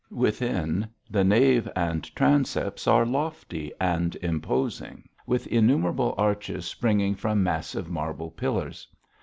Within, the nave and transepts are lofty and imposing, with innumerable arches springing from massive marble pillars.